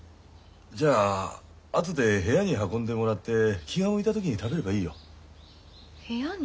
じゃああとで部屋に運んでもらって気が向いた時に食べればいいよ。部屋に？